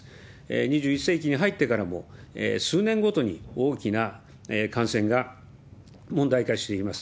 ２１世紀に入ってからも、数年ごとに大きな感染が問題化しています。